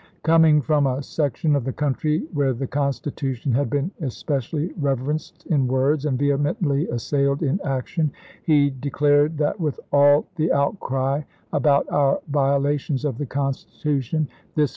Coming from a section of the country where the Constitution had been especially reverenced in words and vehemently assailed in action, he declared that with all the out cry about our violations of the Constitution this Vol.